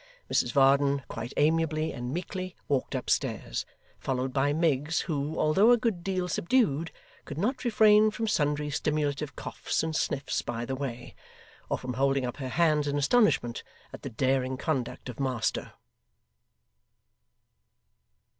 Mrs Varden quite amiably and meekly walked upstairs, followed by Miggs, who, although a good deal subdued, could not refrain from sundry stimulative coughs and sniffs by the way, or from holding up her hands in astonishment at the daring conduct of master.